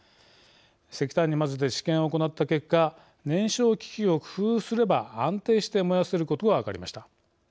石炭に混ぜて試験を行った結果燃焼機器を工夫すれば安定して燃やせることが分かりました。